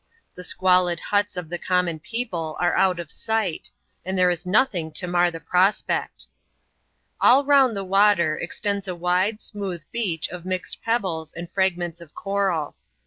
The squalid kts of the conunon people are out of sight, and there is nothing to mar the prospect. All round the water, extends a wide, smooth beach of mixed pebbles and fragments of coral.